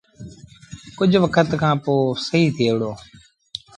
ڪجھ وکت کآݩ پو سهيٚ ٿئي وهُڙو۔